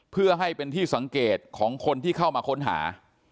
เพื่อให้เป็นที่สังเกตของคนที่เข้ามาค้นหา